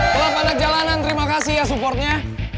kelab pandak jalanan terima kasih ya supportnya